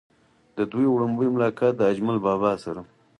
د دوي وړومبے ملاقات د اجمل بابا سره